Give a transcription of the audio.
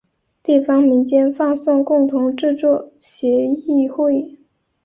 地方民间放送共同制作协议会。